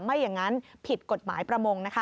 ไม่อย่างนั้นผิดกฎหมายประมงนะคะ